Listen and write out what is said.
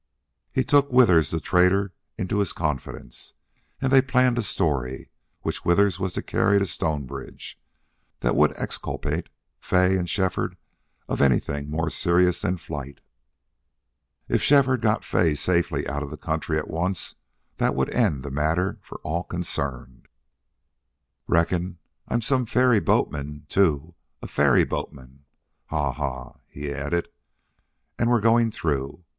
He took Withers, the trader, into his confidence, and they planned a story, which Withers was to carry to Stonebridge, that would exculpate Fay and Shefford of anything more serious than flight. If Shefford got Fay safely out of the country at once that would end the matter for all concerned. "Reckon I'm some ferry boatman, too a FAIRY boatman. Haw! Haw!" he added. "And we're going through....